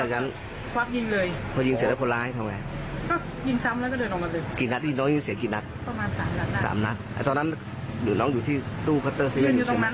กี่นัดนี้น้องยิงเสร็จกี่นัดตอนนั้นอยู่ที่ตู้พัตเตอร์ซีวินใช่ไหมพี่ยิงตรงนั้นเลย